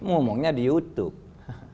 ngomongnya di youtube